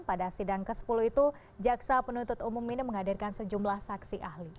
pada sidang ke sepuluh itu jaksa penuntut umum ini menghadirkan sejumlah saksi ahli